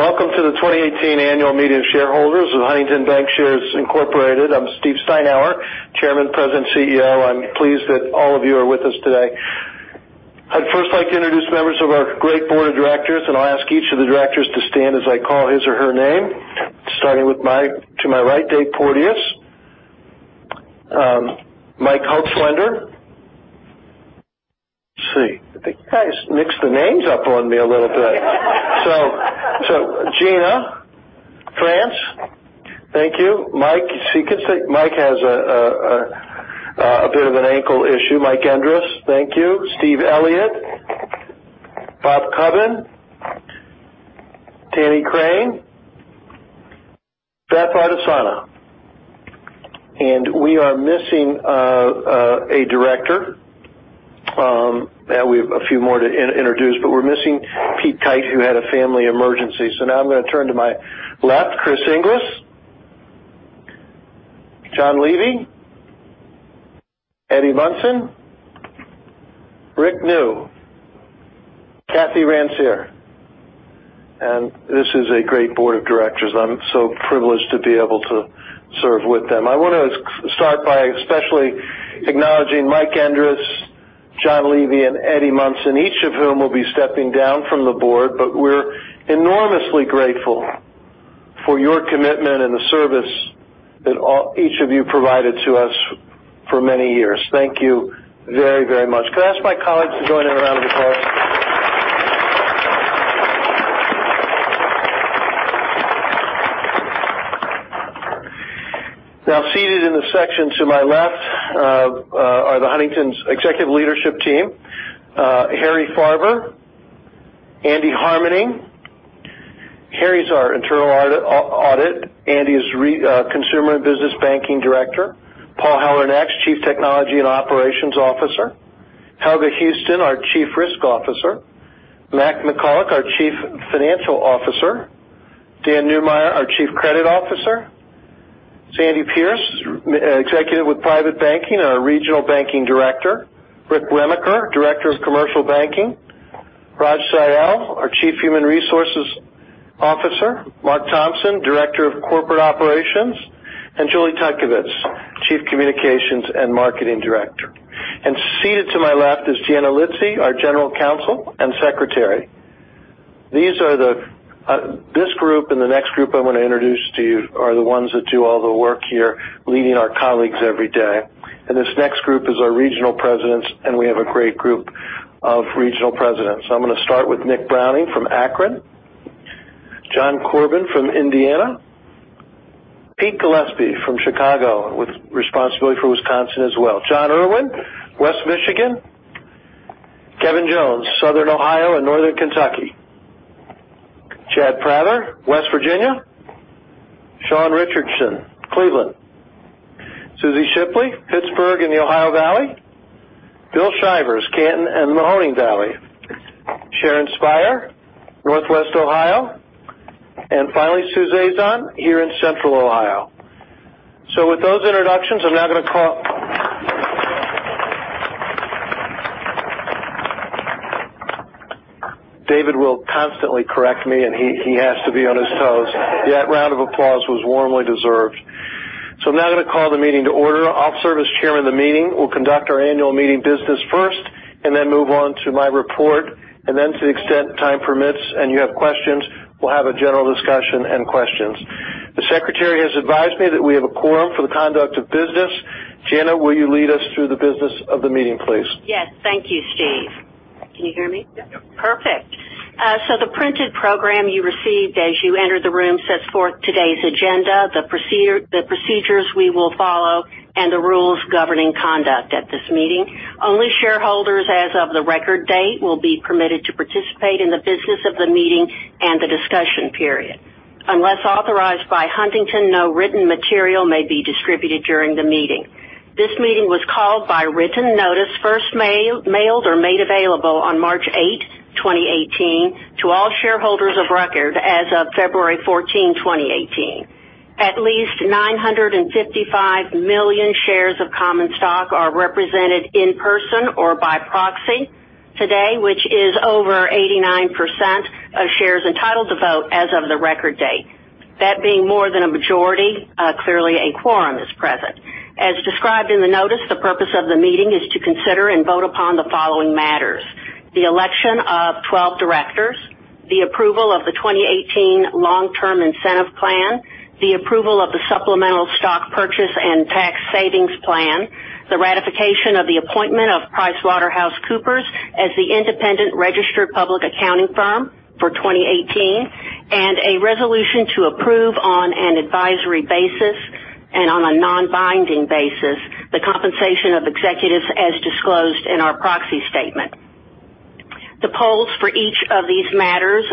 Welcome to the 2018 Annual Meeting of Shareholders of Huntington Bancshares Incorporated. I'm Steve Steinour, Chairman, President, CEO. I'm pleased that all of you are with us today. I'd first like to introduce members of our great board of directors. I'll ask each of the directors to stand as I call his or her name. Starting to my right, Dave Porteous. Mike Hochschwender. Let's see. I think you guys mixed the names up on me a little bit. Gina France. Thank you. Mike has a bit of an ankle issue. Mike Endres. Thank you. Steve Elliott. Bob Cubbin. Tanny Crane. Beth Ardisana. We are missing a director. We have a few more to introduce, but we're missing Pete Kight, who had a family emergency. Now I'm going to turn to my left. Chris Inglis. John Levy. Eddie Munson. Rick Neu. Kathy Ransier. This is a great board of directors. I'm so privileged to be able to serve with them. I want to start by especially acknowledging Mike Endres, John Levy, and Eddie Munson, each of whom will be stepping down from the board. We're enormously grateful for your commitment and the service that each of you provided to us for many years. Thank you very much. Could I ask my colleagues to join in a round of applause? Now, seated in the section to my left are the Huntington's executive leadership team. Harry Farver, Andy Harmening. Harry's our internal audit. Andy is Consumer and Business Banking Director. Paul Heller, Chief Technology and Operations Officer. Helga Houston, our Chief Risk Officer. Mac McCullough, our Chief Financial Officer. Dan Neumeyer, our Chief Credit Officer. Sandy Pierce, executive with private banking, our Regional Banking Director. Rick Remiker, Director of Commercial Banking. Raj Syal, our Chief Human Resources Officer. Mark Thompson, Director of Corporate Operations. Julie Tutkovics, Chief Communications and Marketing Director. Seated to my left is Jana Litsey, our General Counsel and Secretary. This group and the next group I'm going to introduce to you are the ones that do all the work here, leading our colleagues every day. This next group is our regional presidents. We have a great group of regional presidents. I'm going to start with Nick Browning from Akron. John Corbin from Indiana. Pete Gillespie from Chicago, with responsibility for Wisconsin as well. John Irwin, West Michigan. Kevin Jones, Southern Ohio and Northern Kentucky. Chad Prather, West Virginia. Sean Richardson, Cleveland. Suzy Shipley, Pittsburgh and the Ohio Valley. Bill Shivers, Canton and Mahoning Valley. Sharon Speyer, Northwest Ohio. Finally, Sue Zazon here in central Ohio. With those introductions, I'm now going to call- David will constantly correct me, and he has to be on his toes. That round of applause was warmly deserved. I'm now going to call the meeting to order. I'll serve as chairman of the meeting. We'll conduct our annual meeting business first. Then move on to my report. Then to the extent time permits and you have questions, we'll have a general discussion and questions. The secretary has advised me that we have a quorum for the conduct of business. Jana, will you lead us through the business of the meeting, please? Yes. Thank you, Steve. Can you hear me? Yep. The printed program you received as you entered the room sets forth today's agenda, the procedures we will follow, and the rules governing conduct at this meeting. Only shareholders as of the record date will be permitted to participate in the business of the meeting and the discussion period. Unless authorized by Huntington, no written material may be distributed during the meeting. This meeting was called by written notice, first mailed or made available on March 8, 2018, to all shareholders of record as of February 14, 2018. At least 955 million shares of common stock are represented in person or by proxy today, which is over 89% of shares entitled to vote as of the record date. That being more than a majority, clearly a quorum is present. As described in the notice, the purpose of the meeting is to consider and vote upon the following matters: the election of 12 directors, the approval of the 2018 long-term incentive plan, the approval of the supplemental stock purchase and tax savings plan, the ratification of the appointment of PricewaterhouseCoopers as the independent registered public accounting firm for 2018, and a resolution to approve on an advisory basis and on a non-binding basis the compensation of executives as disclosed in our proxy statement. The polls for each of these matters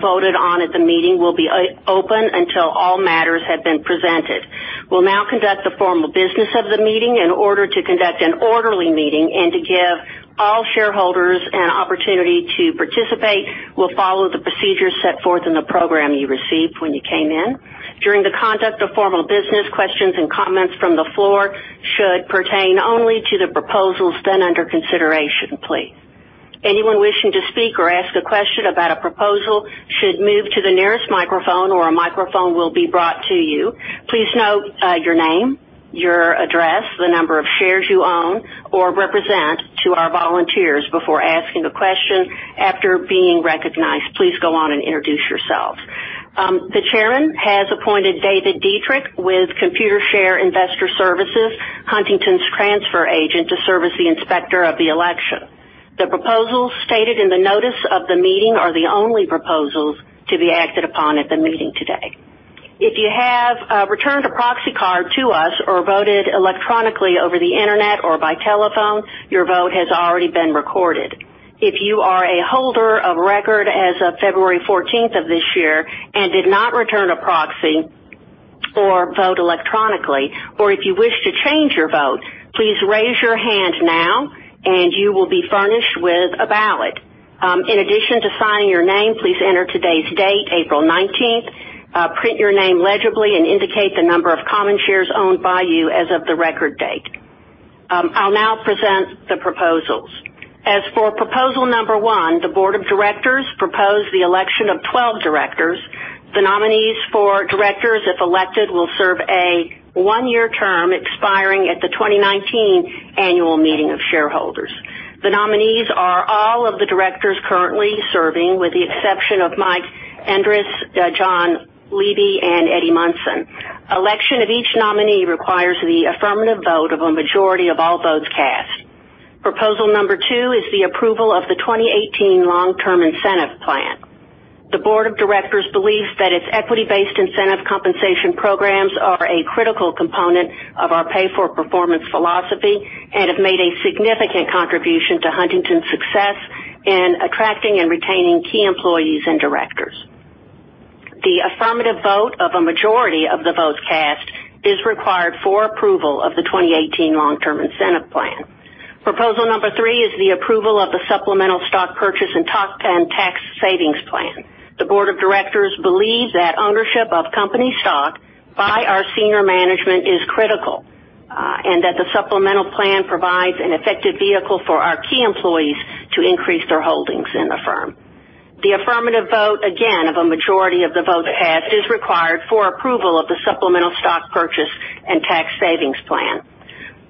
voted on at the meeting will be open until all matters have been presented. We'll now conduct the formal business of the meeting. In order to conduct an orderly meeting and to give all shareholders an opportunity to participate, we'll follow the procedures set forth in the program you received when you came in. During the conduct of formal business, questions and comments from the floor should pertain only to the proposals then under consideration, please. Anyone wishing to speak or ask a question about a proposal should move to the nearest microphone or a microphone will be brought to you. Please note your name, your address, the number of shares you own or represent to our volunteers before asking a question. After being recognized, please go on and introduce yourself. The chairman has appointed David Dietrich with Computershare Investor Services, Huntington's transfer agent, to serve as the inspector of the election. The proposals stated in the notice of the meeting are the only proposals to be acted upon at the meeting today. If you have returned a proxy card to us or voted electronically over the internet or by telephone, your vote has already been recorded. If you are a holder of record as of February 14th of this year and did not return a proxy or vote electronically, or if you wish to change your vote, please raise your hand now and you will be furnished with a ballot. In addition to signing your name, please enter today's date, April 19th, print your name legibly, and indicate the number of common shares owned by you as of the record date. I'll now present the proposals. Proposal number one, the board of directors propose the election of 12 directors. The nominees for directors, if elected, will serve a one-year term expiring at the 2019 annual meeting of shareholders. The nominees are all of the directors currently serving, with the exception of Mike Endres, John Levy, and Eddie Munson. Election of each nominee requires the affirmative vote of a majority of all votes cast. Proposal number two is the approval of the 2018 long-term incentive plan. The board of directors believes that its equity-based incentive compensation programs are a critical component of our pay-for-performance philosophy and have made a significant contribution to Huntington's success in attracting and retaining key employees and directors. The affirmative vote of a majority of the votes cast is required for approval of the 2018 long-term incentive plan. Proposal number three is the approval of the supplemental stock purchase and top 10 tax savings plan. The board of directors believes that ownership of company stock by our senior management is critical and that the supplemental plan provides an effective vehicle for our key employees to increase their holdings in the firm. The affirmative vote, again, of a majority of the votes cast is required for approval of the supplemental stock purchase and tax savings plan.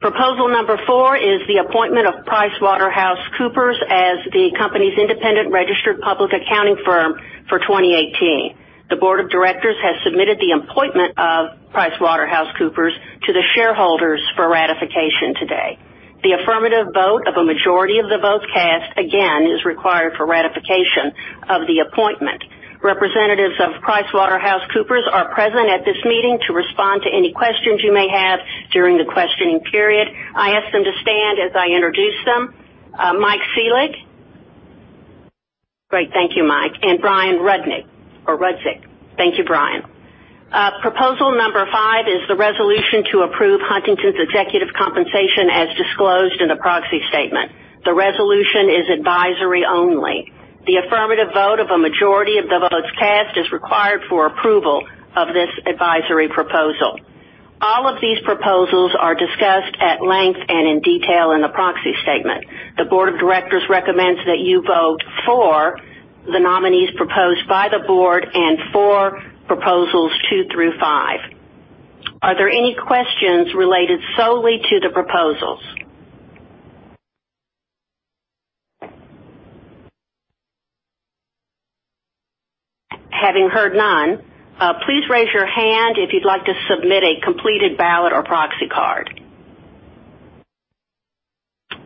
Proposal number four is the appointment of PricewaterhouseCoopers as the company's independent registered public accounting firm for 2018. The board of directors has submitted the appointment of PricewaterhouseCoopers to the shareholders for ratification today. The affirmative vote of a majority of the votes cast, again, is required for ratification of the appointment. Representatives of PricewaterhouseCoopers are present at this meeting to respond to any questions you may have during the questioning period. I ask them to stand as I introduce them. Mike Selig. Great. Thank you, Mike. Brian Rudzik or Rudzik. Thank you, Brian. Proposal number five is the resolution to approve Huntington's executive compensation as disclosed in the proxy statement. The resolution is advisory only. The affirmative vote of a majority of the votes cast is required for approval of this advisory proposal. All of these proposals are discussed at length and in detail in the proxy statement. The board of directors recommends that you vote for the nominees proposed by the board and for proposals two through five. Are there any questions related solely to the proposals? Having heard none, please raise your hand if you'd like to submit a completed ballot or proxy card.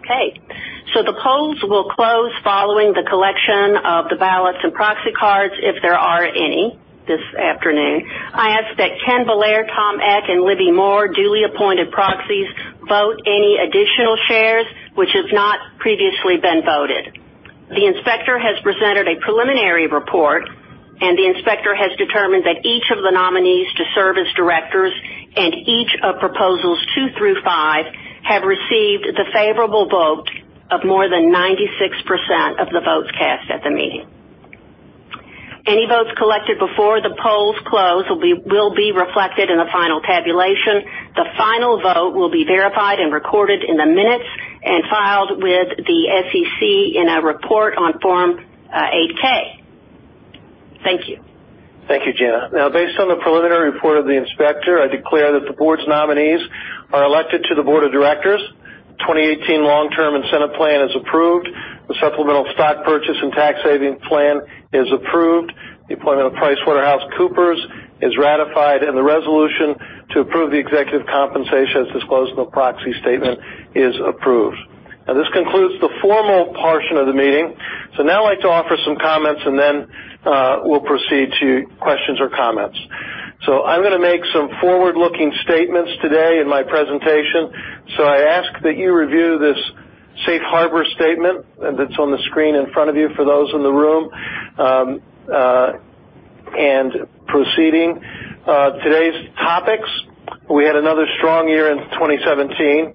Okay. The polls will close following the collection of the ballots and proxy cards, if there are any this afternoon. I ask that Ken Belaire, Tom Eck, and Libby Moore, duly appointed proxies, vote any additional shares which has not previously been voted. The inspector has presented a preliminary report, and the inspector has determined that each of the nominees to serve as directors and each of proposals two through five have received the favorable vote of more than 96% of the votes cast at the meeting. Any votes collected before the polls close will be reflected in the final tabulation. The final vote will be verified and recorded in the minutes and filed with the SEC in a report on Form 8-K. Thank you. Thank you, Jana. Based on the preliminary report of the inspector, I declare that the board's nominees are elected to the board of directors. 2018 long-term incentive plan is approved. The supplemental stock purchase and tax savings plan is approved. The appointment of PricewaterhouseCoopers is ratified, and the resolution to approve the executive compensation as disclosed in the proxy statement is approved. This concludes the formal portion of the meeting. Now I'd like to offer some comments, and then we'll proceed to questions or comments. I'm going to make some forward-looking statements today in my presentation. I ask that you review this safe harbor statement that's on the screen in front of you for those in the room. Proceeding. Today's topics. We had another strong year in 2017.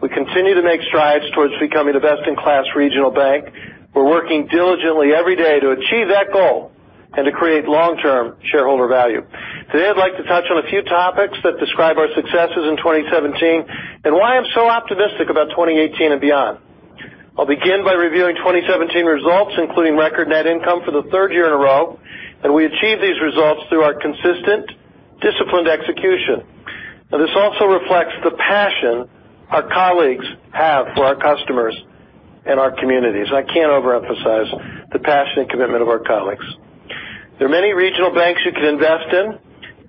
We continue to make strides towards becoming a best-in-class regional bank. We're working diligently every day to achieve that goal and to create long-term shareholder value. Today, I'd like to touch on a few topics that describe our successes in 2017 and why I'm so optimistic about 2018 and beyond. I'll begin by reviewing 2017 results, including record net income for the third year in a row, and we achieved these results through our consistent, disciplined execution. This also reflects the passion our colleagues have for our customers and our communities. I can't overemphasize the passion and commitment of our colleagues. There are many regional banks you can invest in,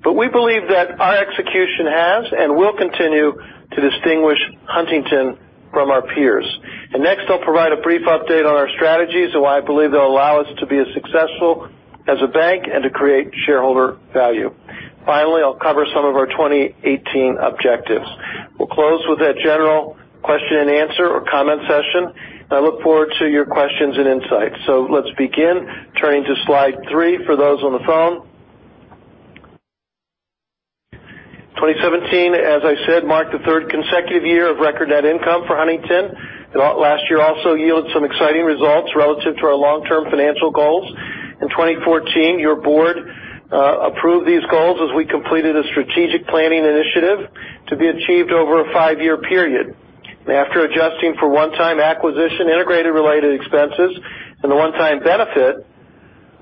but we believe that our execution has and will continue to distinguish Huntington from our peers. Next, I'll provide a brief update on our strategy, so I believe they'll allow us to be as successful as a bank and to create shareholder value. Finally, I'll cover some of our 2018 objectives. We'll close with a general question and answer or comment session, and I look forward to your questions and insights. Let's begin. Turning to slide three for those on the phone. 2017, as I said, marked the third consecutive year of record net income for Huntington. Last year also yielded some exciting results relative to our long-term financial goals. In 2014, your board approved these goals as we completed a strategic planning initiative to be achieved over a five-year period. After adjusting for one-time acquisition, integrated related expenses, and the one-time benefit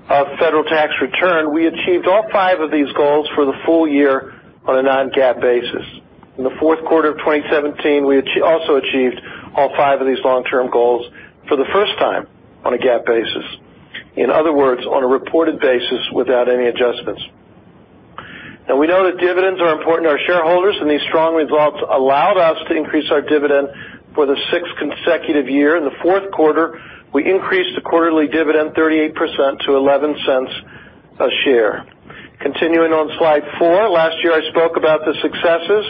of federal tax return, we achieved all five of these goals for the full year on a non-GAAP basis. In the fourth quarter of 2017, we also achieved all five of these long-term goals for the first time on a GAAP basis. In other words, on a reported basis without any adjustments. We know that dividends are important to our shareholders, and these strong results allowed us to increase our dividend for the sixth consecutive year. In the fourth quarter, we increased the quarterly dividend 38% to $0.11 a share. Continuing on slide four. Last year, I spoke about the successes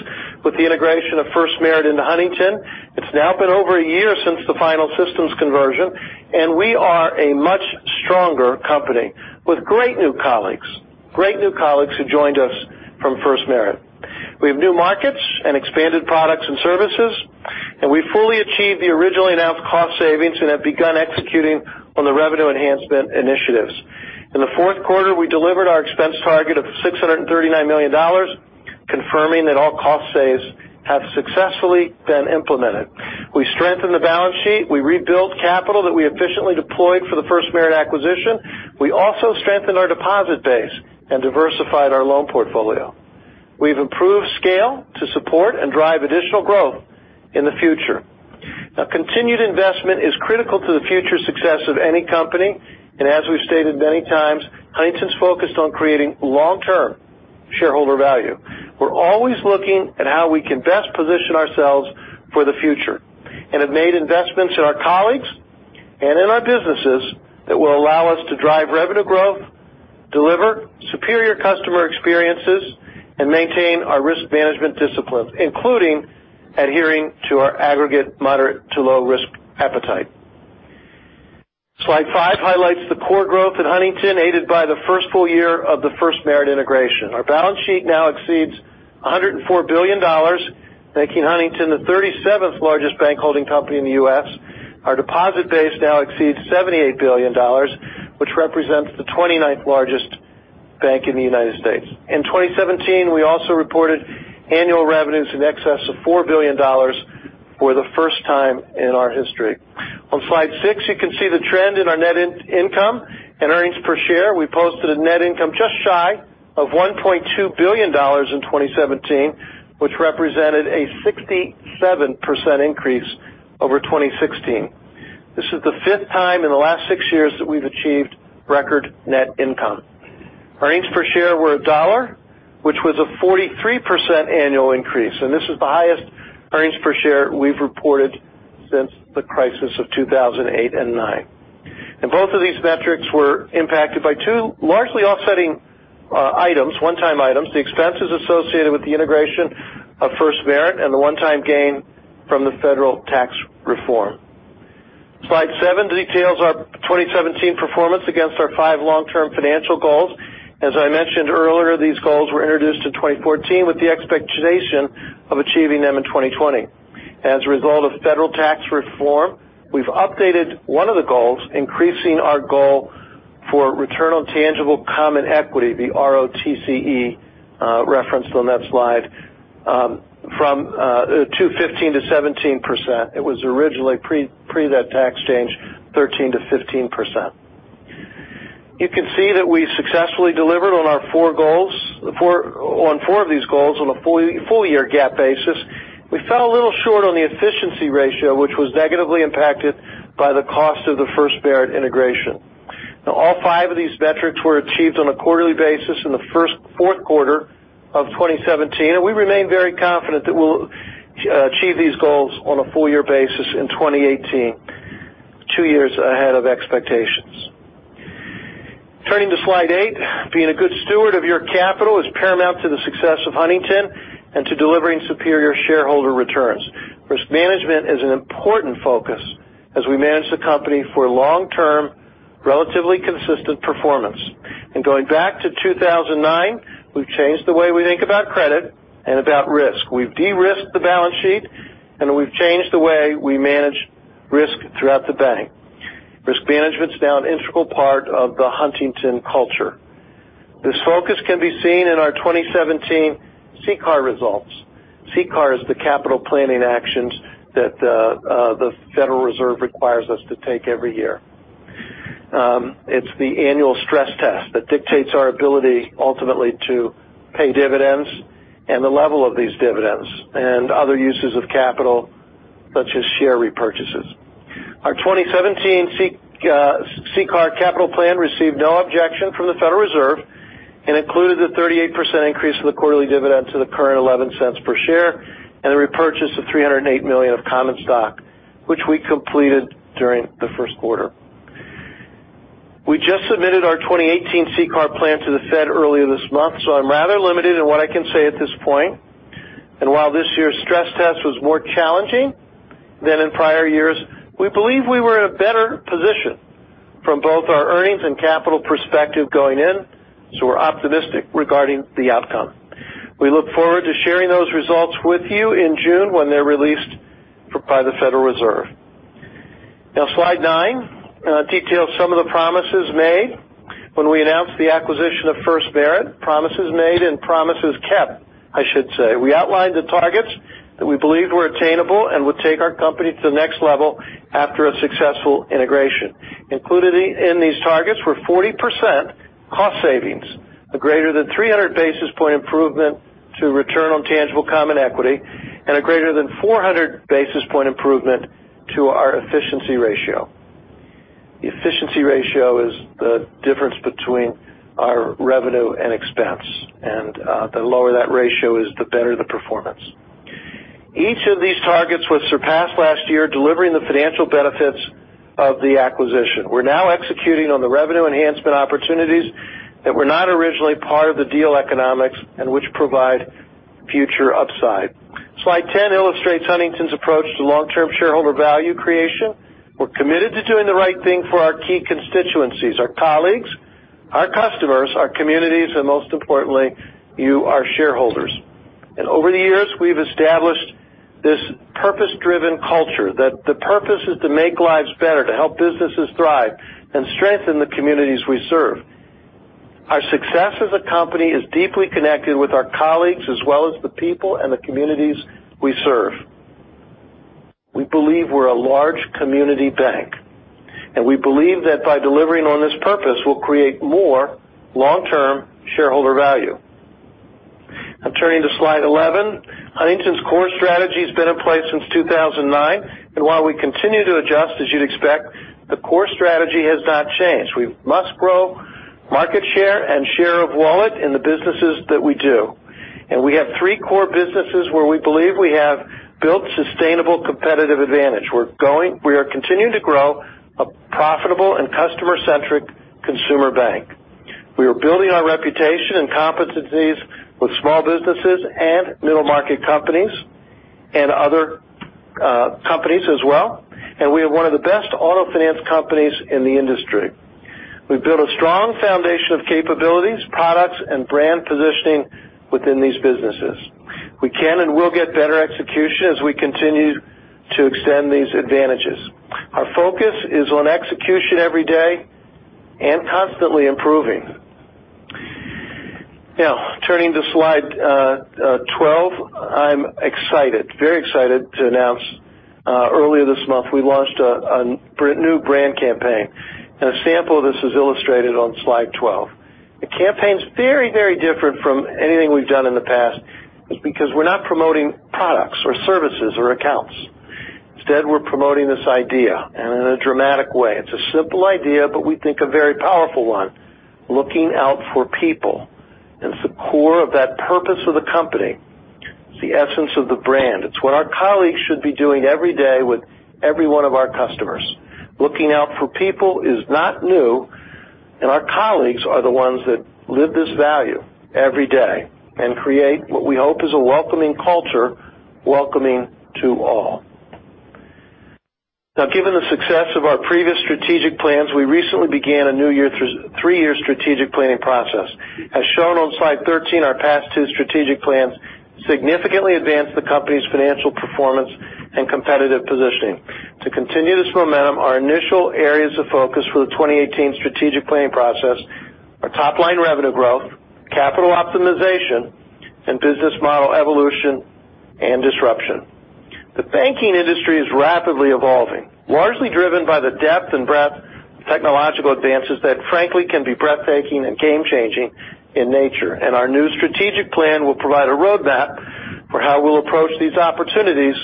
with the integration of FirstMerit into Huntington. It's now been over a year since the final systems conversion, and we are a much stronger company with great new colleagues who joined us from FirstMerit. We have new markets and expanded products and services, and we've fully achieved the originally announced cost savings and have begun executing on the revenue enhancement initiatives. In the fourth quarter, we delivered our expense target of $639 million, confirming that all cost saves have successfully been implemented. We strengthened the balance sheet. We rebuilt capital that we efficiently deployed for the FirstMerit acquisition. We also strengthened our deposit base and diversified our loan portfolio. We've improved scale to support and drive additional growth in the future. Continued investment is critical to the future success of any company, and as we've stated many times, Huntington's focused on creating long-term shareholder value. We're always looking at how we can best position ourselves for the future and have made investments in our colleagues and in our businesses that will allow us to drive revenue growth, deliver superior customer experiences, and maintain our risk management disciplines, including adhering to our aggregate moderate-to-low risk appetite. Slide five highlights the core growth in Huntington, aided by the first full year of the FirstMerit integration. Our balance sheet now exceeds $104 billion, making Huntington the 37th largest bank holding company in the U.S. Our deposit base now exceeds $78 billion, which represents the 29th largest bank in the United States. In 2017, we also reported annual revenues in excess of $4 billion for the first time in our history. On slide six, you can see the trend in our net income and earnings per share. We posted a net income just shy of $1.2 billion in 2017, which represented a 67% increase over 2016. This is the fifth time in the last six years that we've achieved record net income. Earnings per share were $1, which was a 43% annual increase, and this is the highest earnings per share we've reported since the crisis of 2008 and 2009. Both of these metrics were impacted by two largely offsetting items, one-time items, the expenses associated with the integration of FirstMerit and the one-time gain from the federal tax reform. Slide seven details our 2017 performance against our five long-term financial goals. As I mentioned earlier, these goals were introduced in 2014 with the expectation of achieving them in 2020. As a result of federal tax reform, we've updated one of the goals, increasing our goal for return on tangible common equity, the ROTCE referenced on that slide, from 15% to 17%. It was originally, pre that tax change, 13%-15%. You can see that we successfully delivered on four of these goals on a full year GAAP basis. We fell a little short on the efficiency ratio, which was negatively impacted by the cost of the FirstMerit integration. All five of these metrics were achieved on a quarterly basis in the first fourth quarter of 2017, and we remain very confident that we'll achieve these goals on a full-year basis in 2018, two years ahead of expectations. Turning to slide eight. Being a good steward of your capital is paramount to the success of Huntington and to delivering superior shareholder returns. Risk management is an important focus as we manage the company for long-term, relatively consistent performance. Going back to 2009, we've changed the way we think about credit and about risk. We've de-risked the balance sheet, and we've changed the way we manage risk throughout the bank. Risk management's now an integral part of the Huntington culture. This focus can be seen in our 2017 CCAR results. CCAR is the capital planning actions that the Federal Reserve requires us to take every year. It's the annual stress test that dictates our ability ultimately to pay dividends and the level of these dividends and other uses of capital, such as share repurchases. Our 2017 CCAR capital plan received no objection from the Federal Reserve and included the 38% increase of the quarterly dividend to the current $0.11 per share and the repurchase of $308 million of common stock, which we completed during the first quarter. We just submitted our 2018 CCAR plan to the Fed earlier this month, so I'm rather limited in what I can say at this point. While this year's stress test was more challenging than in prior years, we believe we were in a better position from both our earnings and capital perspective going in, so we're optimistic regarding the outcome. We look forward to sharing those results with you in June when they're released by the Federal Reserve. Slide nine details some of the promises made when we announced the acquisition of FirstMerit, promises made and promises kept, I should say. We outlined the targets that we believed were attainable and would take our company to the next level after a successful integration. Included in these targets were 40% cost savings, a greater than 300 basis point improvement to return on tangible common equity, and a greater than 400 basis point improvement to our efficiency ratio. The efficiency ratio is the difference between our revenue and expense, the lower that ratio is, the better the performance. Each of these targets was surpassed last year, delivering the financial benefits of the acquisition. We're now executing on the revenue enhancement opportunities that were not originally part of the deal economics and which provide future upside. Slide 10 illustrates Huntington's approach to long-term shareholder value creation. We're committed to doing the right thing for our key constituencies, our colleagues, our customers, our communities, and most importantly, you, our shareholders. Over the years, we've established this purpose-driven culture that the purpose is to make lives better, to help businesses thrive, and strengthen the communities we serve. Our success as a company is deeply connected with our colleagues as well as the people and the communities we serve. We believe we're a large community bank, we believe that by delivering on this purpose, we'll create more long-term shareholder value. Turning to slide 11. Huntington's core strategy has been in place since 2009. While we continue to adjust, as you'd expect, the core strategy has not changed. We must grow market share and share of wallet in the businesses that we do. We have three core businesses where we believe we have built sustainable competitive advantage. We are continuing to grow a profitable and customer-centric consumer bank. We are building our reputation and competencies with small businesses and middle-market companies and other companies as well. We have one of the best auto finance companies in the industry. We've built a strong foundation of capabilities, products, and brand positioning within these businesses. We can and will get better execution as we continue to extend these advantages. Our focus is on execution every day and constantly improving. Turning to slide 12. I'm excited, very excited to announce earlier this month, we launched a new brand campaign, and a sample of this is illustrated on slide 12. The campaign's very different from anything we've done in the past because we're not promoting products or services or accounts. Instead, we're promoting this idea and in a dramatic way. It's a simple idea, but we think a very powerful one. Looking out for people. It's the core of that purpose of the company. It's the essence of the brand. It's what our colleagues should be doing every day with every one of our customers. Looking out for people is not new, and our colleagues are the ones that live this value every day and create what we hope is a welcoming culture, welcoming to all. Given the success of our previous strategic plans, we recently began a new three-year strategic planning process. As shown on slide 13, our past two strategic plans significantly advanced the company's financial performance and competitive positioning. To continue this momentum, our initial areas of focus for the 2018 strategic planning process are top-line revenue growth, capital optimization, and business model evolution and disruption. The banking industry is rapidly evolving, largely driven by the depth and breadth of technological advances that frankly can be breathtaking and game-changing in nature. Our new strategic plan will provide a roadmap for how we'll approach these opportunities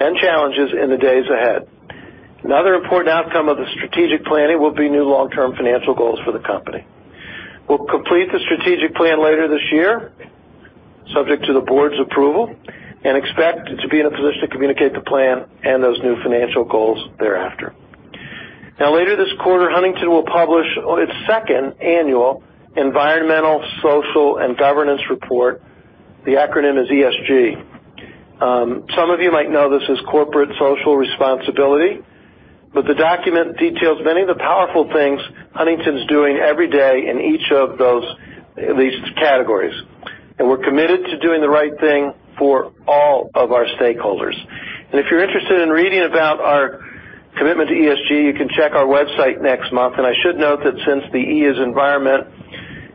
and challenges in the days ahead. Another important outcome of the strategic planning will be new long-term financial goals for the company. We'll complete the strategic plan later this year, subject to the board's approval, and expect to be in a position to communicate the plan and those new financial goals thereafter. Later this quarter, Huntington will publish its second annual environmental, social, and governance report. The acronym is ESG. Some of you might know this as corporate social responsibility, but the document details many of the powerful things Huntington's doing every day in each of these categories. We're committed to doing the right thing for all of our stakeholders. If you're interested in reading about our commitment to ESG, you can check our website next month. I should note that since the E is environment,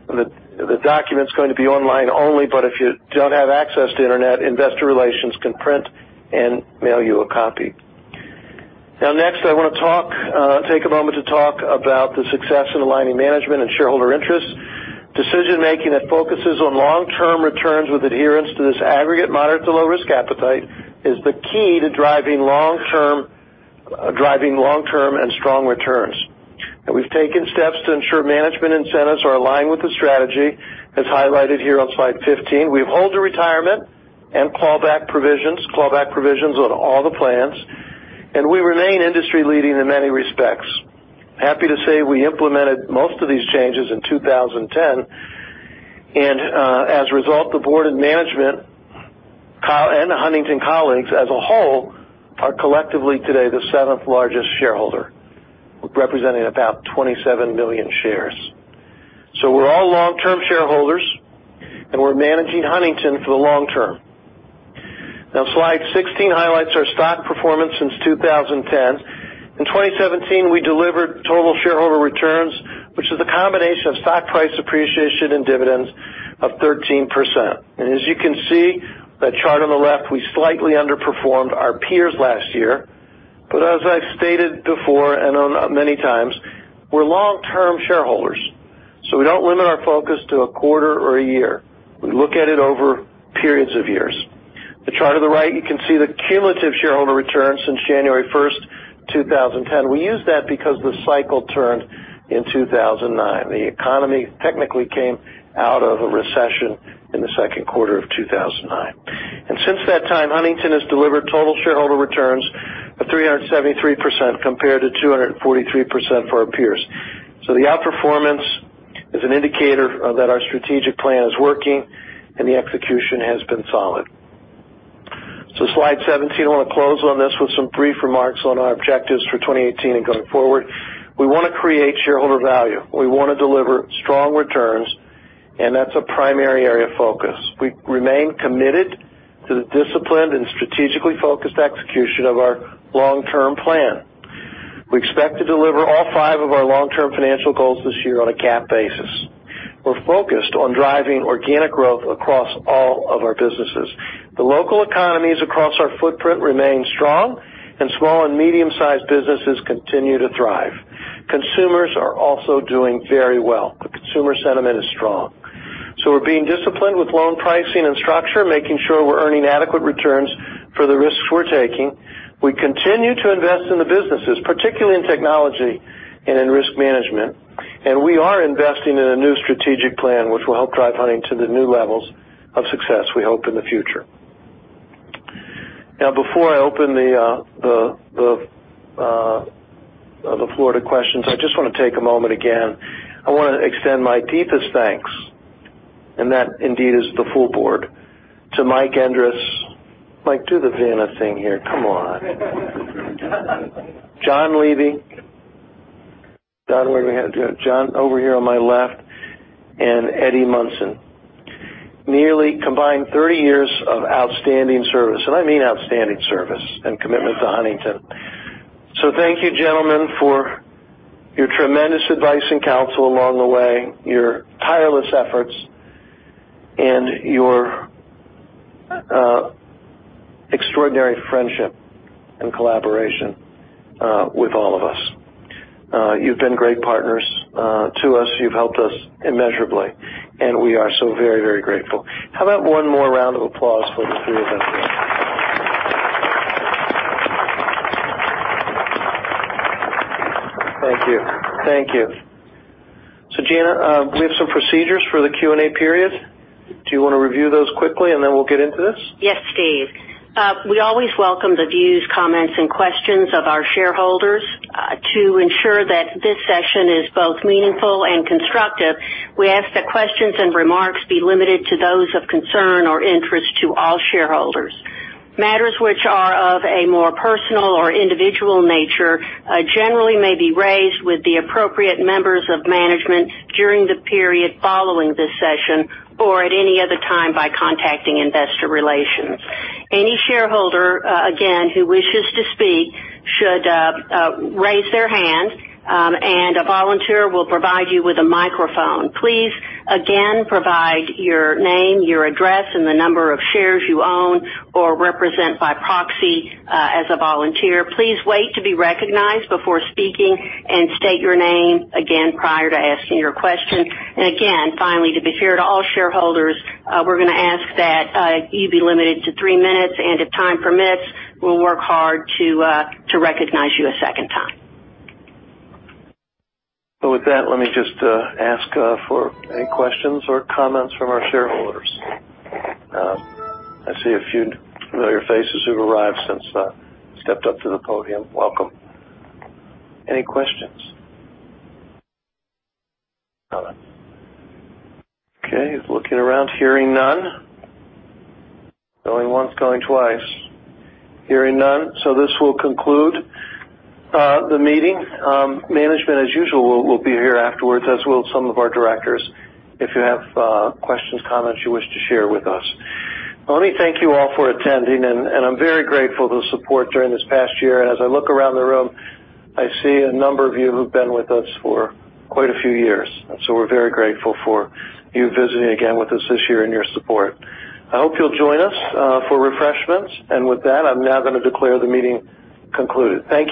the document's going to be online only. If you don't have access to internet, investor relations can print and mail you a copy. Next, I want to take a moment to talk about the success in aligning management and shareholder interests. Decision-making that focuses on long-term returns with adherence to this aggregate moderate to low-risk appetite is the key to driving long-term and strong returns. We've taken steps to ensure management incentives are aligned with the strategy, as highlighted here on slide 15. We have hold-to-retirement and callback provisions, callback provisions on all the plans, and we remain industry leading in many respects. Happy to say we implemented most of these changes in 2010. As a result, the board and management and the Huntington colleagues as a whole are collectively today the seventh largest shareholder, representing about 27 million shares. We're all long-term shareholders. We're managing Huntington for the long term. Slide 16 highlights our stock performance since 2010. In 2017, we delivered total shareholder returns, which is a combination of stock price appreciation and dividends of 13%. As you can see that chart on the left, we slightly underperformed our peers last year. As I've stated before and many times, we're long-term shareholders. We don't limit our focus to a quarter or a year. We look at it over periods of years. The chart on the right, you can see the cumulative shareholder returns since January 1st, 2010. We use that because the cycle turned in 2009. The economy technically came out of a recession in the 2nd quarter of 2009. Since that time, Huntington has delivered total shareholder returns of 373% compared to 243% for our peers. The outperformance is an indicator that our strategic plan is working. The execution has been solid. Slide 17, I want to close on this with some brief remarks on our objectives for 2018 and going forward. We want to create shareholder value. We want to deliver strong returns. That's a primary area of focus. We remain committed to the disciplined and strategically focused execution of our long-term plan. We expect to deliver all five of our long-term financial goals this year on a GAAP basis. We're focused on driving organic growth across all of our businesses. The local economies across our footprint remain strong. Small and medium-sized businesses continue to thrive. Consumers are also doing very well. The consumer sentiment is strong. We're being disciplined with loan pricing and structure, making sure we're earning adequate returns for the risks we're taking. We continue to invest in the businesses, particularly in technology and in risk management. We are investing in a new strategic plan, which will help drive Huntington to new levels of success we hope in the future. Before I open the floor to questions, I just want to take a moment again. I want to extend my deepest thanks. That indeed is the full board. To Mike Endres. Mike, do the Vanna thing here, come on. John Levy. John, over here on my left. Eddie Munson. Nearly combined 30 years of outstanding service. I mean outstanding service and commitment to Huntington. Thank you, gentlemen, for your tremendous advice and counsel along the way, your tireless efforts, your extraordinary friendship and collaboration with all of us. You've been great partners to us. You've helped us immeasurably. We are so very grateful. How about one more round of applause for the three of them? Thank you. Jana, we have some procedures for the Q&A period. Do you want to review those quickly? Then we'll get into this? Yes, Steve. We always welcome the views, comments, and questions of our shareholders. To ensure that this session is both meaningful and constructive, we ask that questions and remarks be limited to those of concern or interest to all shareholders. Matters which are of a more personal or individual nature generally may be raised with the appropriate members of management during the period following this session or at any other time by contacting investor relations. Any shareholder, again, who wishes to speak should raise their hand, and a volunteer will provide you with a microphone. Please, again, provide your name, your address, and the number of shares you own or represent by proxy as a volunteer. Please wait to be recognized before speaking and state your name again prior to asking your question. Finally, to be fair to all shareholders, we're going to ask that you be limited to three minutes. If time permits, we'll work hard to recognize you a second time. With that, let me just ask for any questions or comments from our shareholders. I see a few familiar faces who've arrived since I stepped up to the podium. Welcome. Any questions? None. Okay, looking around, hearing none. Going once, going twice. Hearing none. This will conclude the meeting. Management, as usual, will be here afterwards, as will some of our directors, if you have questions, comments you wish to share with us. Let me thank you all for attending. I'm very grateful for the support during this past year. As I look around the room, I see a number of you who've been with us for quite a few years. We're very grateful for you visiting again with us this year and your support. I hope you'll join us for refreshments. With that, I'm now going to declare the meeting concluded. Thank you.